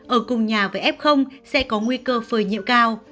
ở cùng nhà với f sẽ có nguy cơ phơi nhiễm cao